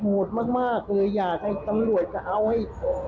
โหดมากเลยอยากให้ตำรวจก็เอาให้